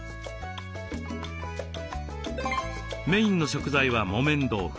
メインの食材は木綿豆腐。